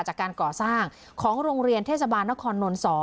จากการก่อสร้างของโรงเรียนเทศบาลนครนนท์๒